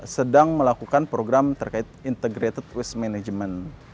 sedang melakukan program terkait integrated waste management